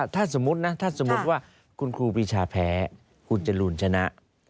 ถ้าสมมุตินะถ้าสมมุติว่าคุณครูปีชาแพ้คุณจรูนชนะ